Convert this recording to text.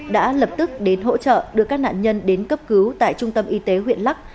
đã lập tức đến hỗ trợ đưa các nạn nhân đến cấp cứu tại trung tâm y tế huyện lắc